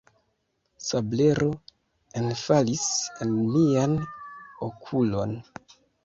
Sablero enfalis en mian okulon.